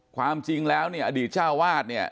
ความจริงแล้วอดีตชาวาส